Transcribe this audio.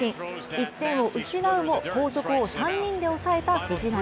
１点を失うも後続を３人で抑えた藤浪。